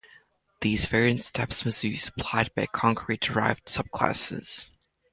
These variant steps must be supplied by concrete derived subclasses.